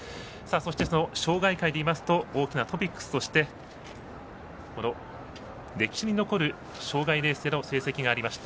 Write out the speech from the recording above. そして、障害界でいいますと大きなトピックスとして歴史に残る障害レースでの成績がありました